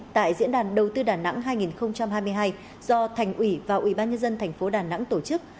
tại diễn đàn đầu tư đà nẵng hai nghìn hai mươi hai do thành ủy và ủy ban nhân dân tp đà nẵng tổ chức